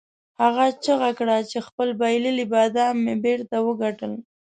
هغه چیغه کړه چې خپل بایللي بادام مې بیرته وګټل.